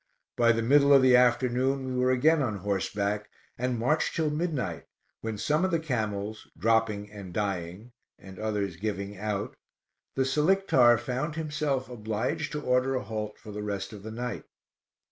By the middle of the afternoon we were again on horseback, and marched till midnight, when some of the camels dropping and dying, and others giving out, the Selictar found himself obliged to order a halt for the rest of the night.